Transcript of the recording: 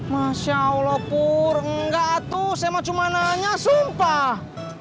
masya allah pur enggak tuh sama cumananya sumpah